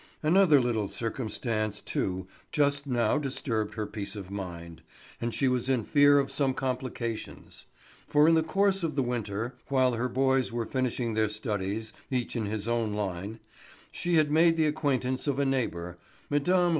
Another little circumstance, too, just now disturbed her peace of mind, and she was in fear of some complications; for in the course of the winter, while her boys were finishing their studies, each in his own line, she had made the acquaintance of a neighbour, Mme.